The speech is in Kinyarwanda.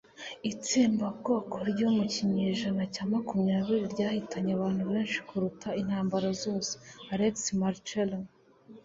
itsembabwoko ryo mu kinyejana cya makumyabiri ryahitanye abantu benshi kuruta intambara zose. (alexmarcelo